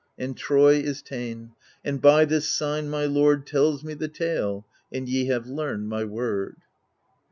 And Troy is ta*en, and by this sign my lord Tells me the tale, and ye have learned my word.